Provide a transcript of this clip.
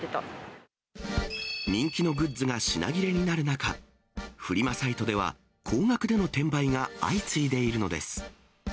人気のグッズが品切れになる中、フリマサイトでは、高額での転売が相次いでいるのです。